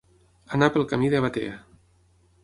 Anar pel camí de Batea.